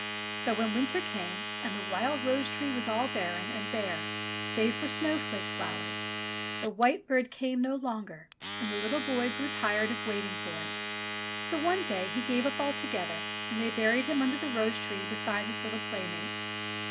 But when winter came and the wild rose tree was all barren and bare save for snowflake flowers, the white bird came no longer and the little boy grew tired of waiting for It. So one day he gave up altogether, and they buried him under the rose tree beside his little playmate.